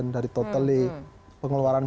dari total pengeluaran